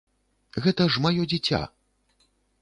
Гэта ж маё дзіця!